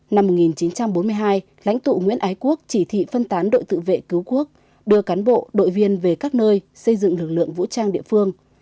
năm một nghìn chín trăm bốn mươi hai lãnh tụ nguyễn ái quốc chỉ thị phân tán đội tự vệ cứu quốc đưa cán bộ đội viên về các nơi xây dựng lực lượng vũ trang địa phương